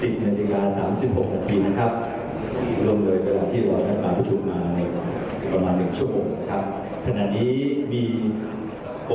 กลับมา๑๐นาทีกลา๓๖นาทีนะครับ